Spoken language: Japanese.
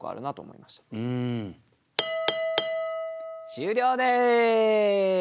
終了です。